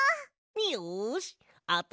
よしあと